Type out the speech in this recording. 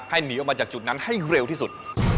หนีออกมาจากจุดนั้นให้เร็วที่สุด